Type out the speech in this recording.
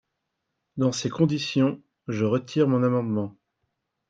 Dans ces conditions, je retire mon amendement.